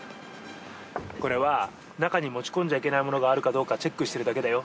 これは中に持ち込んじゃいけないものがあるかどうかチェックしてるだけだよ。